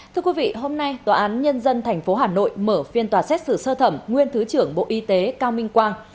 thưa quý vị hôm nay tòa án nhân dân tp hà nội mở phiên tòa xét xử sơ thẩm nguyên thứ trưởng bộ y tế cao minh quang